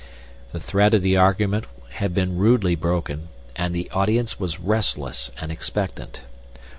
The thread of the argument had been rudely broken, and the audience was restless and expectant.